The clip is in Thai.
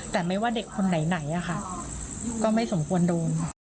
แต่ไม่ว่าเด็กคนไหนอะค่ะก็ไม่สมควรโดน